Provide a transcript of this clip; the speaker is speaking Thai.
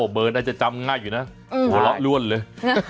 โอ้เบิร์นอาจจะจำง่ายอยู่นะหัวเราะร่วนเลย๐๒๕๕๕